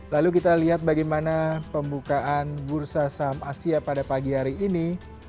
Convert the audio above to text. lalu kita lihat bagaimana pembukaan bursa saham asia pada pagi hari ini